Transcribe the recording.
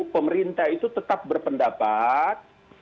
pemerintah itu tetap berpendapat